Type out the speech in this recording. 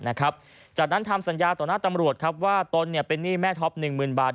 นะครับจากนั้นทำสัญญาต่อหน้าตำรวจครับว่าตนเนี่ยเป็นหนี้แม่ท็อปหนึ่งมืนบาท